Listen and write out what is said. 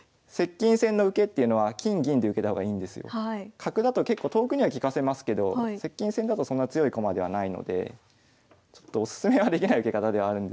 角だと結構遠くには利かせますけど接近戦だとそんな強い駒ではないのでちょっとオススメはできない受け方ではあるんですけど。